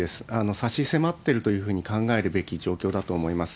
差し迫ってるというふうに考えるべき状況だと思います。